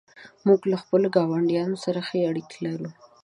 موږ له خپلو ګاونډیانو سره ښه اړیکه لرو.